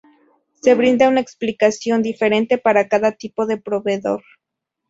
Se brinda una explicación diferente para cada tipo de proveedor.